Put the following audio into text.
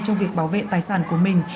trong việc bảo vệ tài sản của mình